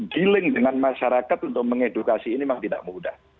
dealing dengan masyarakat untuk mengedukasi ini memang tidak mudah